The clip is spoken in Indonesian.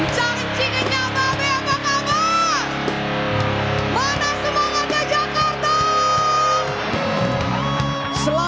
jangan cingin nyapa bapak bapak